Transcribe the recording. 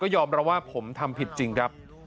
ยอมรับว่าผมทำผิดจริงครับ